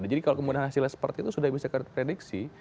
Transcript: jadi kalau kemudian hasilnya seperti itu sudah bisa terprediksi